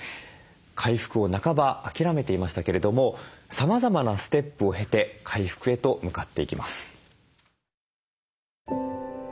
回復を半ば諦めていましたけれどもさまざまなステップを経て回復へと向かっていきます。